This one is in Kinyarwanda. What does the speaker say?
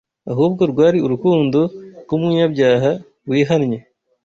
ahubwo rwari urukundo rw’umunyabyaha wihannye,